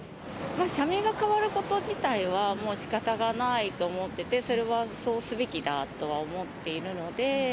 社名が変わること自体はもうしかたがないと思ってて、それはそうすべきだとは思っているので。